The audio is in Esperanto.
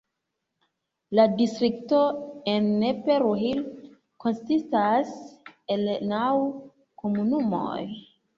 La distrikto Ennepe-Ruhr konsistas el naŭ komunumoj.